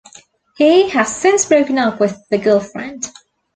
He has since broken up with the girlfriend.